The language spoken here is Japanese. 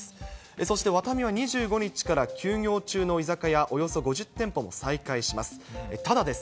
そしてワタミは、２５日から休業中の居酒屋およそ５０店舗を再開します。